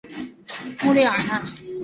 穆列尔讷。